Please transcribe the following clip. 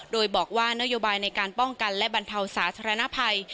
โดยบอกว่านโยบายในการป้องกันและบรรเทาสาธารณภัย